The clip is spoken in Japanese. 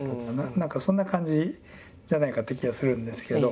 何かそんな感じじゃないかって気がするんですけど。